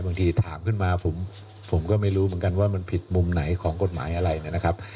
บางทีถามขึ้นมาผมก็ไม่รู้เหมือนกันว่ามันผิดมุมไหนของกฎหมายอะไรนะครับ